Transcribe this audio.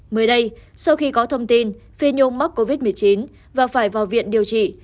mới đây sau khi có thông tin phi nhôm mắc covid một mươi chín và phải vào viện điều trị